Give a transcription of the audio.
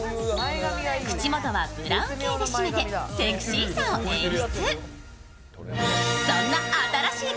口元はブラウン系でしめてセクシーさを演出。